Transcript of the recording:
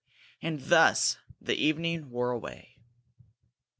And thus the evening wore away.